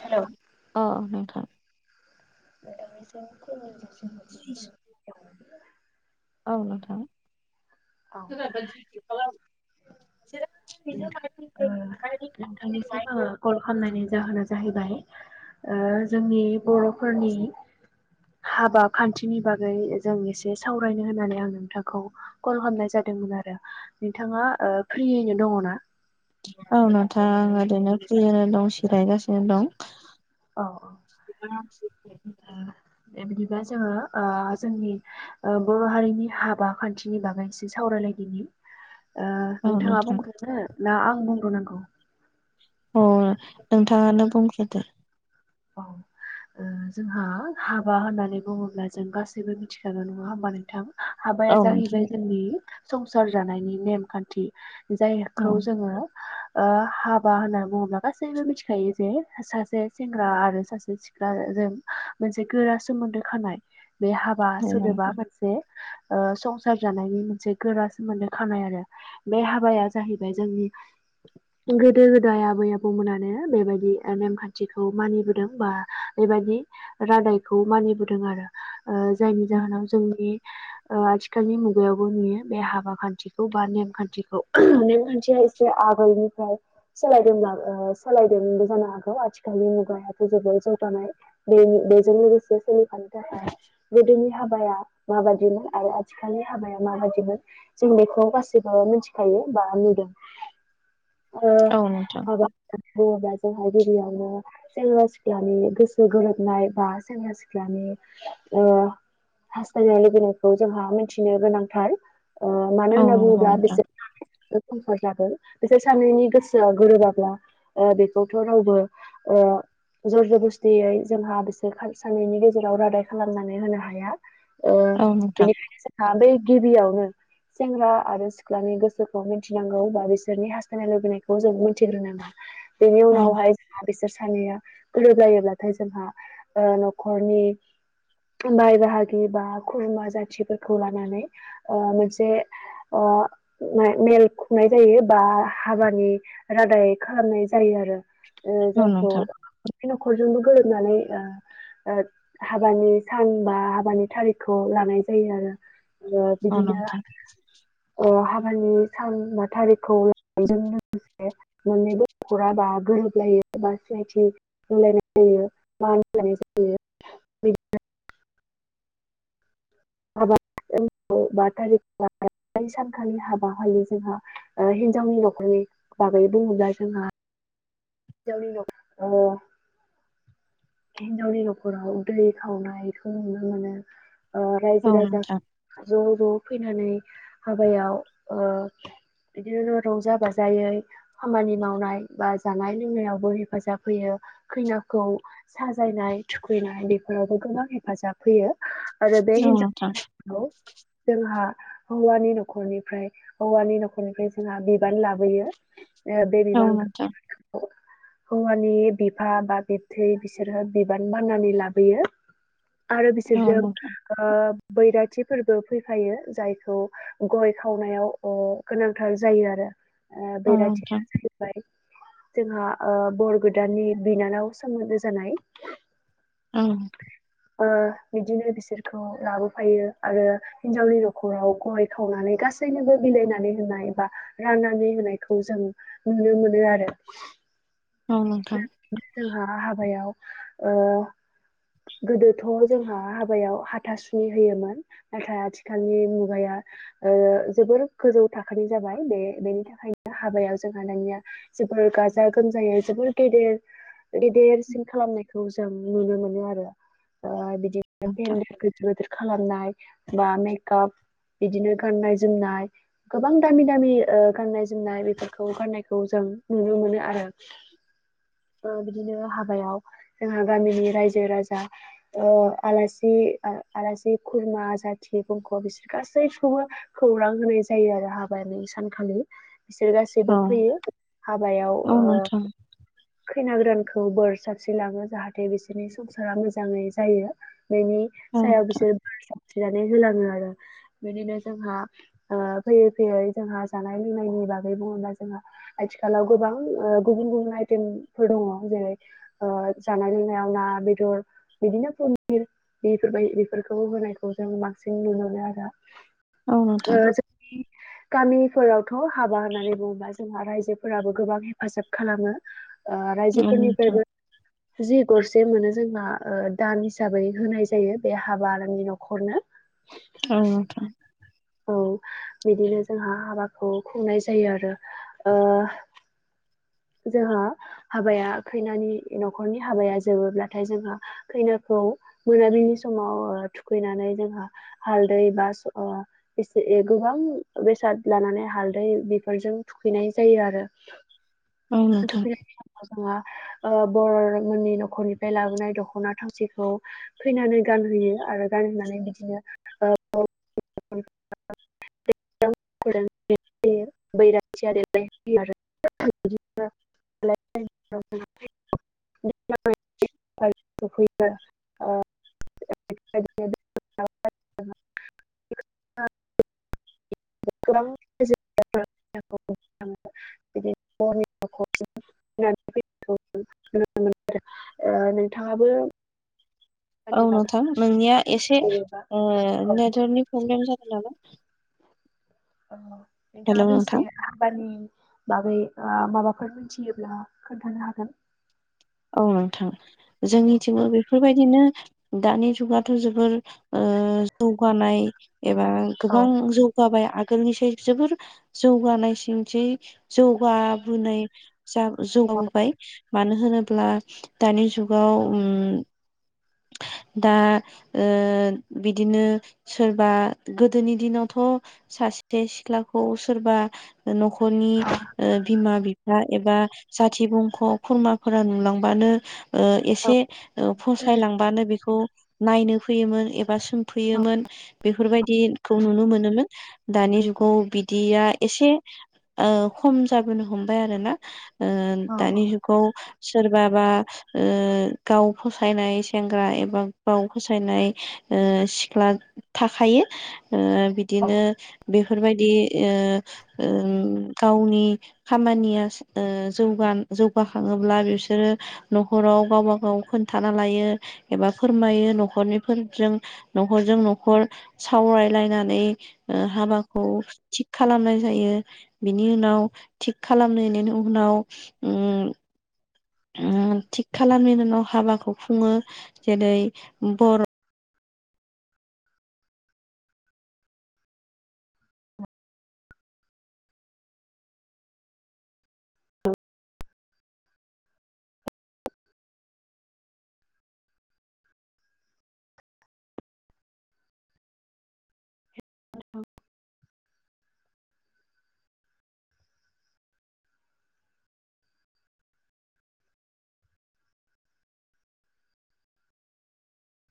हेल' औ नोंथां [unintelligible] ए जासिहरनाय औ न'थां। थ नोंथांनिसिम आङो कल खालामनायनि जाहोन जाहैबाय जोंनि बर'फोरनि हाबा खान्थिनि बागै जों एसे सावरायनो होननानै आं नोंथांखौ कल खालामनाय जादोंमोन आरो नोंथाङा फ्रियैनो दङ ना औ नावथा आं ओरैनो फ्रिनो दं सिरायगासिनो दं औ अ औ बिदिबा जोङो जोंनि बर' हारिनि हाबा खान्थिनि बागै एसे सावराय औ नोंथाङा नोंथां बुंगनो ना आं बुंग्र नांगौ अ नोंथाङानो बुंग्रोदो औ। जोंहा हाबा होननानै बुङोब्ला जों गासैबो मिथिखागौ नङा होमबा नोंथां हाबाया औ नोंथां जाहैबाय जोंनि संसार जानायनि नेमखान्थि औ जायखौ जोङो हाबा होनना बुङोब्ला गासैबो मिथिखायो जे सासे स्रा आरो सासे सिख्ला जों मोनसे गोरा सोमोन्दो खानाय बे हाबा सोदोबा मोनसे संसार जानायनि मोनसे गोरा सोमोन्दो खानाय आरो बे हाबाया जाहैबाय जोंनि गोदो गोदाय आबै आबौमोनानो बेबायदि नेमखान्थिखौ मानिबोदों बा बेबायादि रादायखौ मानिबोदों आरो जायनि जाहोनाव जोंनि आथिखालनि मुगायावबो नुयो बे हाबा खान्थिखौ बा नेमखान्थिखौ नेमखान्थिया आगोलनिफ्राय सोलायदोंब्ला सोलायदोंबो जानो हागौ आथिखाल दानि मुगायाथ' जोबोर जौगानाय बे-बेजों लोगोसे सोलिफानो थाखाय गोदोनि हा हाबाया माबायदिमोन आरो आथिखालनि हाबाया माबायदिमोन जों बेखौ गासैबो मिनथिखायो [unintelligible] दों ओ औ नोंथां हाबा होनना बुङोब्ला जोंहा गिबियावनो सेंग्रा सिख्लानि गोसो गोरोबनाय बा सेंग्रा सिख्लानि ओ हास्थायनाय लुबैनायखौ जोंहा मिथिनो गोनांथार ओ मानो औ होनना नंगौ बुंङोब्ला नोंथां बिसोर [unintelligible] कमफर्ट जागोन। बिसोर सानैनि गोसोआ गोरोबाब्ला ओ बेखौथ' रावबो ओ ज'रजबस्तियै जोंहा बिसोर खा सानैनि गेजेराव रादाय खालामनानै होनो हाया। ओ औ नोंथां बेनिखायनो जोंहा बे गिबियावनो सेंग्रा आरो सिख्लानि गोसोखौ मिनथिनांगौ बा बिसोरनि हास्थायनाय लुबैनायखौ जों मिथिग्रोनांगोन औ बेनियावनावाय जोंहा बिसोर सानैया गोरोबलायोब्लाथाय जोंहा ओ न'खरनि बाय बाहागि बा खुरमा जाथिफोरखौ लानानै ओ मोनसे ओ बा माय मेल खुंनाय जायो बा हाबानि रादाय खालामनाय जायो आरो। ओ औ जायखौ नोंथां [unintelligible] न'खरजोंबो गोरोबनानै ओ ओ हाबानि सान बा हाबानि थारिगखौ लानाय जायो आरो। ओ औ बिदिनो नोंथां ओ हा बानि सानबा थारिगखौ लानायजों लोगोसे मोननैबो न'खरा बा गोरो लायो बा सिनायथि होलायनाय जायो मान होलायनाय जायो बिदिनो [unintelligible] बा थारिग [unintelligible] बै सानखालि हाबाखालि जोंहा ओ हिनजावनि न'खरनि बागै बुंङोब्ला जोंहा [unintelligible] अ हिनजावनि न'खराव दै खावनायखौ नुनो मोनो। ओ रायजो औ राजा नोंथां ज' ज' फैनानै हाबायाव ओ बिदिनो रंजा बाजायै खामानि मावनाय बा जा नाय लोंनायावबो हेफाजाब होयो खैनाखौ साजायनाय थुखैनाय बेफोरावबो गोबां हेफाजाब होयो आरो बे औ नोंथां औ हिनजाव गोदानखौ जोंहा हौवानि न'खरनिफ्राय हौवानि न'खरनिफ्राय जोंहा बिबान लाबोयो। ओ बे नोंथां बिबानखो [unintelligible] हौवानि बिफा बा बिबथै बिसोरहा बिबान बाननानै लाबोयो। आरो औ नोंथां औ बिसोरजों नोंथां ओ बैरा थि फोरबो फैफायो जायखौ गय खावनायाव अ गोनांथार जायो आरो। ओ बैरखथिया जाहैबाय जोंहा ओ बर गोदाननि बिनानाव सोमोन्दो जानाय ओं ओ बिदिनो बिसोरखौ लाबोफायो आरो हिनजावनि न'खराव गय खावनानै गास सैनोबो बिलायनानै होनाय बा राननानै होनायखौ जों नुनो मोनो आरो। नोंथां [unintelligible] जोंहा हाबायाव ओ गोदोथ' जोंहा हाबायाव हाथासुनि होयोमोन नाथाय आथिखालनि मुगाया ओ जोबोर गोजौ थाखोनि जाबाय बे-बेनि थाखायनो हाबायाव जोंहा दानिया जोबोर गाजा गोमजायै जोबोद गेदेर गेदेरसिन खालामनायखौ जों नुनो मोनो आरो ओ बिद नोंथां [unintelligible] गोदोर खालामनाय बा मेकआप बिदिनो गाननाय जोमनाय गोबां दामि दामि ओ गाननाय जोमनाय बेफोरखौ गाननायखौ जों नुनो मोनो आरो। ओ बिदिनो हाबायाव जोंहा गामिनि रायजो राजा ओ आलासि आ-आलासि खुरमा जाथि बंख' बिसोर गासैखौबो खौरां होनाय जायो आरो हाबानि सानखालि। बिसोर गासैबो औ फैयो हाबायाव औ ओ नोंथां खैना गोदानखौ बोर साबस्रिलाङो जाहाथे बिसोरनि संसारा मोजाङै जायो। बेनि औ सायाव बिसोरो नानै होलांङो आरो। बिदिनो जोंहा ओ फैयै फैयै जोंहा जानाय लोंनायनि बागै बुंङोब्ला जोंहा आथिखालाव गोबां ओ गुबुन गुबुन आइटेमफोर दंङ जेरै ओ जानाय लोंनायाव ना बेदर बिदिनो पनिर बेफोरबाय बेफोरखौबो होनायखौ जों बांसिन नुनो मोनो आरो। नोंथां ओ जोंनि गामिफोरावथ' हाबा होननानै बुङोबा जोंहा रायजोफोराबो गोबां हेफाजाब खालामो ओ औ नोंथां रायजोफोरनिफ्रायबो जि गरसे मोनो जोंहा ओ दान हिसाबै होनाय जायो बे हाबा आरनि न'खरनो औ नोंथां औ बिदिनो जोंहा हाबाखौ खुंनाय जायो आरो ओ जोंहा हाबाया खैनानि न'खरनि हाबाया जोबोब्लाथाय जोंहा खैनाखौ खौ मोनाबिलि समाव ओ थुखैनानै जोंहा हालदै [unintelligible] बे गोबां बेसाद लानानै हालदै बेफोरजों थुखैनाय जायो आरो [unintelligible] औ नोंथां औ नोंथां [unintelligible] ओ बर'मोननि न'खरनिफ्राय लाबोनाय दखना थावसिखौ खैनानो गान होयो आरो गानहनानै बिदिनो [unintelligible] [unintelligible] [unintelligible] [unintelligible] [unintelligible] [unintelligible] [unintelligible] [unintelligible] ओ नोंथाङाबो औ नोंथां नोंनिया एसे बागै ओ नेटवर्कनिखौ प्र प्रब्लेम जादो नामा [unintelligible] हेलौ नोंथांआबो एसे नोंथां आबादनि बागै ओ माबाफोर मिथियोब्ला खोन्थानो हागोन औ नोंथां औ जोंनिथिङाव बेफोरबायदिनो दानि जुगाथ' जोबोर ओ जौगानाय एबा गोबां जौगाबाय आगोलनि साय जोबोर जौगानाय सिंथि जौगाबोनाय जा औ जौगाबोबाय मानो होनोब्ला दानि जुगाव उम दा ओ बिदिनो सोरबा गोदोनि दिनावथ' थ सासे सिख्लाखौ सोरबा न'खरनि ओ बिमा बिफा एबा जाथि बुंख' खुरमा फोरा नुलांबानो ओ औ एसे ओ फसायलांबानो बेखौ नायनो फैयोमोन एबा सोंफैयोमोन बेफोरबायदिखौ नुनो मो नोमोन दानि जुगा बिदिया एसे ओ खम जाबोनो हमबाय आरो ना ओ औ दानि जुगाव सोरबाबा ओ गाव फसायनाय सेंग्रा एबा गाव फसायनाय ओ सिख्ला थाखायो ओ औ बिदिनो बेफोरबायदि ओ उम गावनि खामानिया ओ जौगा [unintelligible] [unintelligible] बिसोरो न'खराव गावबा गाव खोन्थाना लायो एबा फोरमायो न'खरनि फोर जों न'खरजों न'खर सावरायलायनानै ओ हाबाखौ थि खालामनाय जायो बिनि उनाव थिग खालामनायनि उनाव उम ओ थिग खालामनायनि उनाव हाबाखौ खुङो जेरै बर'